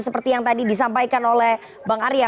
seperti yang tadi disampaikan oleh bang arya